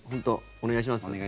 お願いします。